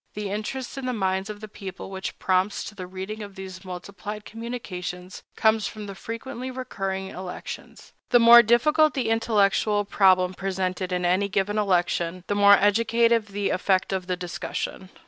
The interest in the minds of the people which prompts to the reading of these multiplied communications comes from the frequently recurring elections. The more difficult the intellectual problem presented in any given election, the more educative the effect of the discussion.